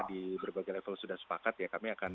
di berbagai level sudah sepakat ya kami akan